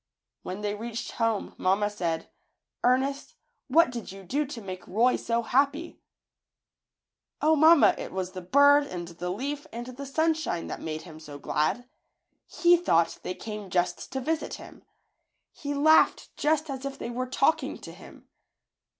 When they reached home mamma said ^ ^Ernest, what did you do to make Roy so happy?" ^^0, mamma, it was the bird and the leaf and the sunshine that made him so glad. He thought they came just to visit him. He laughed just as if they were talking to him.